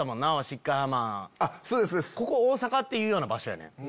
ここ大阪？っていうような場所やねん。